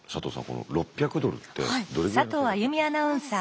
この６００ドルってどれぐらいの生活できたんですか？